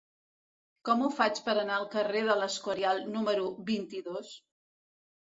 Com ho faig per anar al carrer de l'Escorial número vint-i-dos?